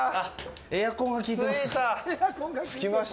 エアコンがきいてます。